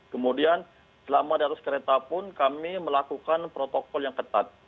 kemudian selama di atas kereta pun kami melakukan protokol yang ketat